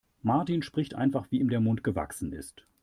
Martin spricht einfach, wie ihm der Mund gewachsen ist.